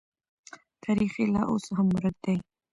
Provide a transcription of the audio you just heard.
تاریخ یې لا اوس هم ورک دی.